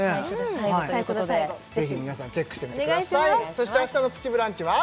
そして明日の「プチブランチ」は？